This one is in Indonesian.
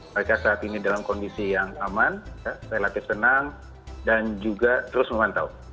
mereka saat ini dalam kondisi yang aman relatif tenang dan juga terus memantau